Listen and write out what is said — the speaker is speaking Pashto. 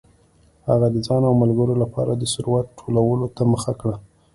هغه د ځان او ملګرو لپاره د ثروت ټولولو ته مخه کړه.